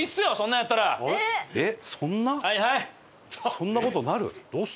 そんな事になる？